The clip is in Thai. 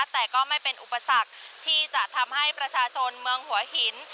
แต่ก็ไม่เป็นอุปสรรคที่จะทำให้ประชาชนเมืองหัวหิน